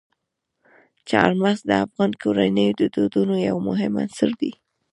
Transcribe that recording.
چار مغز د افغان کورنیو د دودونو یو مهم عنصر دی.